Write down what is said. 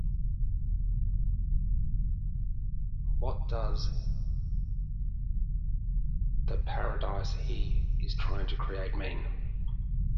What does the paradise he is trying to create mean?